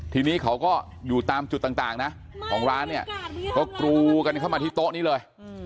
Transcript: ทีนี้เขาก็อยู่ตามจุดต่างนะของร้านเนี่ยก็กรูกันเข้ามาที่โต๊ะนี้เลย